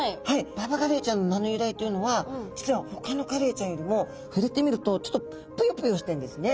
ババガレイちゃんの名の由来というのは実はほかのカレイちゃんよりも触れてみるとちょっとぷよぷよしてるんですね。